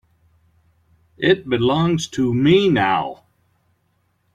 It belongs to me now.